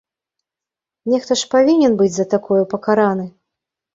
Нехта ж павінен быць за такое пакараны!